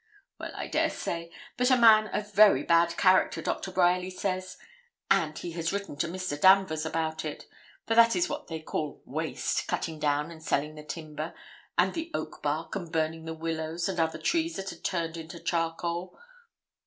'Well, I dare say; but a man of very bad character, Dr. Bryerly says; and he has written to Mr. Danvers about it for that is what they call waste, cutting down and selling the timber, and the oakbark, and burning the willows, and other trees that are turned into charcoal.